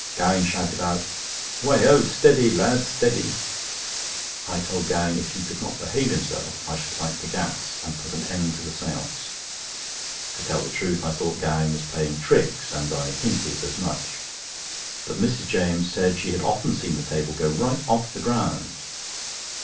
Gowing shouted out: "Way oh! steady, lad, steady!" I told Gowing if he could not behave himself I should light the gas, and put an end to the séance. To tell the truth, I thought Gowing was playing tricks, and I hinted as much; but Mrs. James said she had often seen the table go right off the ground.